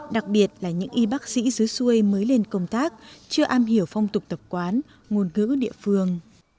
đặc biệt là những y bác sĩ dưới xuôi mới lên công tác chưa am hiểu phong tục tập quán ngôn ngữ địa phương